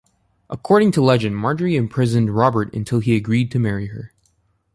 According to legend, Marjorie imprisoned Robert until he agreed to marry her.